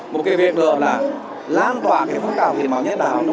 một cái việc đó là lan tỏa cái phương tạo hiếm máu nhé đáo cho cả nước